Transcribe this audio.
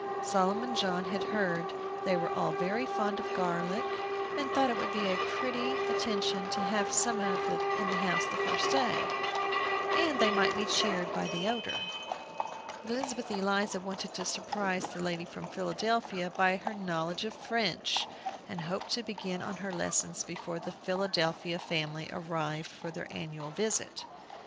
Solomon John had heard they were all very fond of garlic, and thought it would be a pretty attention to have some in the house the first day, that they might be cheered by the odor. Elizabeth Eliza wanted to surprise the lady from Philadelphia by her knowledge of French, and hoped to begin on her lessons before the Philadelphia family arrived for their annual visit.